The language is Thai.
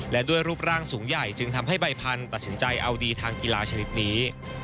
และด้วยรูปร่างสูงใหญ่จึงทำให้ใบพันธุ์ตัดสินใจเอาดีทางกีฬาชนิดนี้